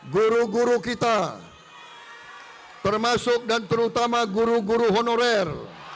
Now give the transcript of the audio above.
guru guru kita termasuk dan terutama guru guru honorer